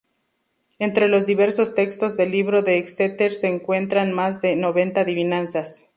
Entre los diversos textos del Libro de Exeter, se encuentran más de noventa adivinanzas.